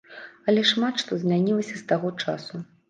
Але шмат што змянілася з таго часу.